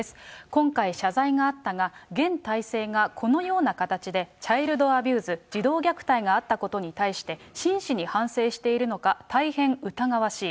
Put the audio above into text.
今回、謝罪があったが、現体制がこのような形で、チャイルドアビューズ・児童虐待があったことに対して、真摯に反省しているのか、大変疑わしい。